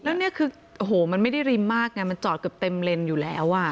แล้วนี่คือโอ้โหมันไม่ได้ริมมากไงมันจอดเกือบเต็มเลนส์อยู่แล้ว